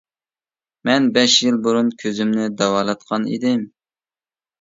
مەن بەش يىل بۇرۇن كۆزۈمنى داۋالاتقان ئىدىم.